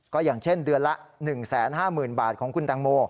ก็อย่างเช่นเดือนละ๑๕๐๐๐บาทของคุณแตงโม